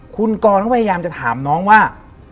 คุณกรก็พยายามจะถามน้องว่า